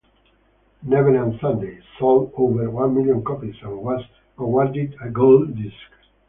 "Never on Sunday" sold over one million copies, and was awarded a gold disc.